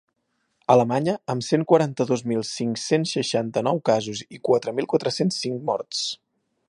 Alemanya, amb cent quaranta-dos mil cinc-cents seixanta-nou casos i quatre mil quatre-cents cinc morts.